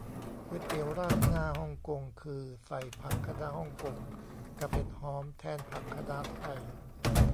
ก๋วยเตี๋ยวราดหน้าฮ่องกงคือใส่ผักคะน้าฮ่องกงกับเห็ดหอมแทนผักคะน้าไทย